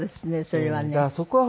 それはね。